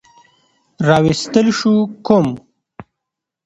راوستل شو کوم